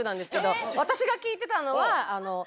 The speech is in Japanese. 私が聞いてたのは。